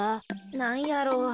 なんやろ？